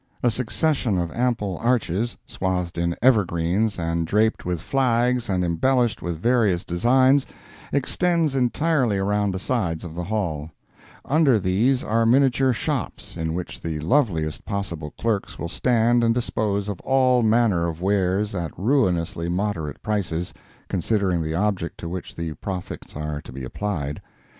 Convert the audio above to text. A succession of ample arches, swathed in evergreens and draped with flags and embellished with various designs, extends entirely around the sides of the hall; under these are miniature shops, in which the loveliest possible clerks will stand and dispose of all manner of wares at ruinously moderate prices, considering the object to which the profits are to be applied.